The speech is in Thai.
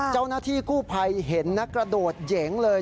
เจ้าหน้าที่กู้ภัยเห็นนะกระโดดเหยิงเลย